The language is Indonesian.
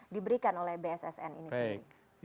diberikan oleh bssn ini sendiri